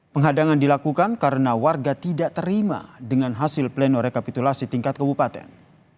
penghadangan dilakukan karena warga tidak terima dengan hasil pleno rekapitulasi tingkat kebupaten